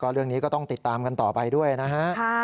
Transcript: เรื่องนี้ก็ต้องติดตามกันต่อไปด้วยนะฮะ